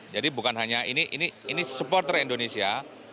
jadi bukan hanya ini supporter indonesia